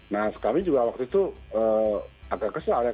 nah kami juga waktu itu agak kesal ya